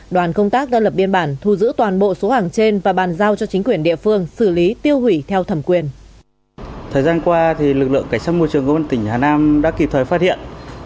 đoàn công tác đã lập biên bản thu giữ toàn bộ số hàng trên và bàn giao cho chính quyền địa phương xử lý tiêu hủy theo thẩm quyền